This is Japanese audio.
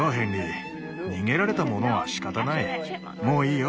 もういいよ